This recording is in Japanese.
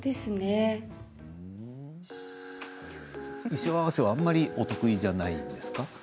衣装合わせは、あまりお得意じゃないんですか？